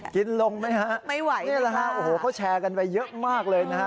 กินลงไหมฮะไม่ไหวนี่แหละฮะโอ้โหเขาแชร์กันไปเยอะมากเลยนะฮะ